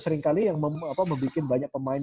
seringkali yang membuat banyak pemain